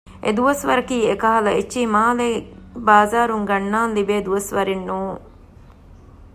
އެ ދުވަސްވަރަކީ އެކަހަލަ އެއްޗެހި މާލޭ ބާޒާރުން ގަންނާން ލިބޭ ދުވަސްވަރެއް ނޫން